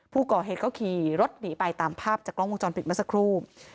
ผู้ก่อเหตุก็ขี่รถหนีไปตามภาพจากกล้องวงจรปิดเมื่อสักครู่